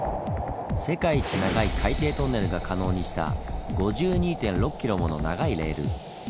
世界一長い海底トンネルが可能にした５２．６ｋｍもの長いレール。